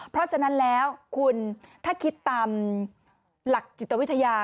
เพราะฉะนั้นแล้วคุณถ้าคิดตามหลักจิตวิทยา